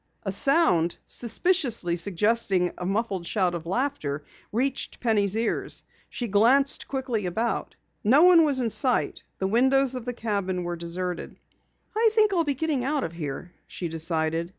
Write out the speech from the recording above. A sound, suspiciously suggesting a muffled shout of laughter, reached Penny's ears. She glanced quickly about. No one was in sight. The windows of the cabin were deserted. "I think I'll be getting out of here," she decided.